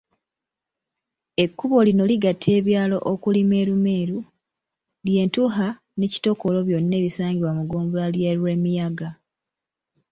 Ekkubo lino ligatta ebyalo okuli Meerumeeru, Lyentuha ne Kitokolo byonna ebisangibwa mu ggombolola y'e Lwemiyaga.